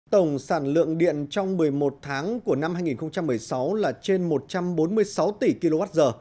tổng sản lượng điện trong một mươi một tháng của năm hai nghìn một mươi sáu là trên một trăm bốn mươi sáu tỷ kwh